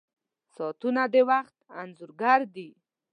• ساعتونه د وخت انځور ګر دي.